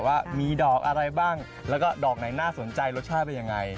ว่ามีดอกอะไรบ้างแล้วก็ดอกไหนน่าสนใจรสชาติเป็นยังไง